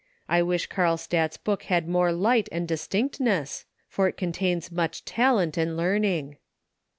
_ I wish Carlstadt's book had more light and distinctness, for it contains much talent and learning."